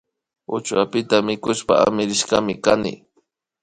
Uchuapita mikushpa amirishkami kani